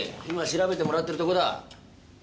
今調べてもらってるとこだ。